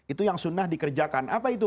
itu yang sunnah dikerjakan apa itu